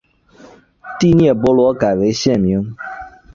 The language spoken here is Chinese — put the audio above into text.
第聂伯罗改为现名。